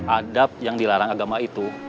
adab yang dilarang agama itu